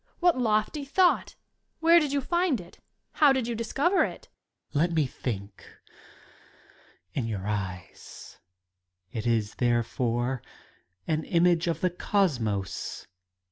What lofty thought ! Where did you find it ? How did you discover it ? Student. Let me think In yoiur eyes !— ^It is, there fore, an image of the Cosmos.